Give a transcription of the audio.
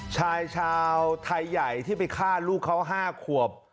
ชายชาวไทยใหญ่ที่ไปฆ่าลูกเขา๕ขวบ